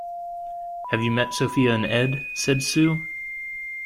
Have you met Sophia and Ed? said Sue.